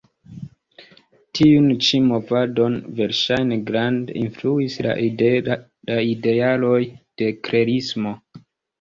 Tiun ĉi movadon verŝajne grande influis la idealoj de Klerismo.